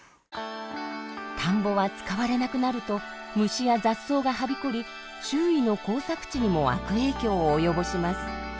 田んぼは使われなくなると虫や雑草がはびこり周囲の耕作地にも悪影響を及ぼします。